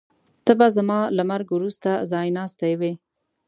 ته به زما له مرګ وروسته ځایناستی وې.